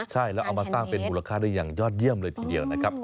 ใช่แล้วเอามาสร้างเป็นมูลค่าได้อย่างยอดเยี่ยมเลยทีเดียวนะครับ